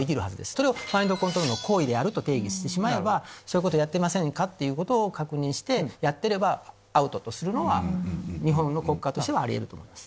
それをマインドコントロールの行為であると定義してしまえば「そういうことやってませんか？」っていうことを確認してやってればアウトとするのは日本の国家としてはあり得ると思います。